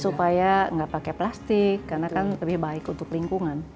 supaya nggak pakai plastik karena kan lebih baik untuk lingkungan